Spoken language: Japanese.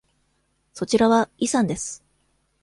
そちらはイさんです。